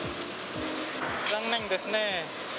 残念ですね。